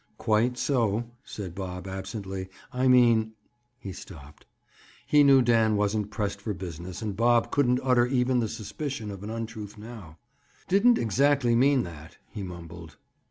"Quite so," said Bob absently. "I mean—" He stopped. He knew Dan wasn't pressed for business and Bob couldn't utter even the suspicion of an untruth now. "Didn't exactly mean that!" he mumbled.